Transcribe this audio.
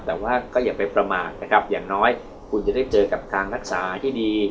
แต่ว่าก็อย่าไปประมาทนะครับอย่างน้อยคุณจะได้เจอกับทางรักษาที่ดี